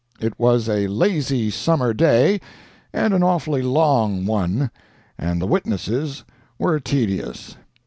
It was a lazy summer day, and an awfully long one, and the witnesses were tedious.